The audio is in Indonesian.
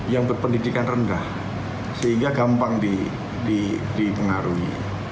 yang berpendidikan rendah sehingga gampang dipengaruhi